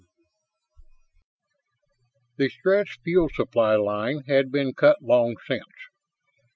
XI The Stretts' fuel supply line had been cut long since.